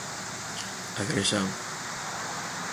Agrexán.